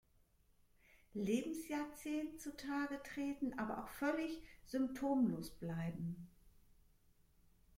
Lebensjahrzehnt zutage treten, aber auch völlig symptomlos bleiben.